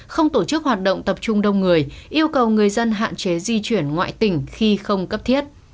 không tổ chức hoạt động tập trung đông người yêu cầu người dân hạn chế di chuyển ngoại tỉnh khi không cấp thiết